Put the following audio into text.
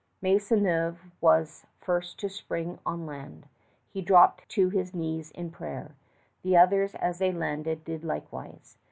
Maisonneuve was first to spring on land. He dropped to his knees in prayer. The others as they landed did likewise.